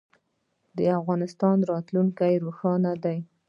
د افغانستان راتلونکی روښانه دی